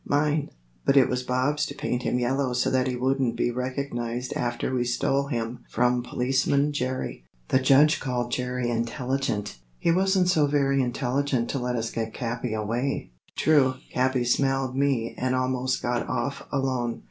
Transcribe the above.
"Mine. But it was Bob's to paint him yellow so that he wouldn't be recognized after we stole him from Policeman Jerry. The judge called Jerry 'intelligent'; he wasn't so very intelligent to let us get Capi away. True, Capi smelled me and almost got off alone.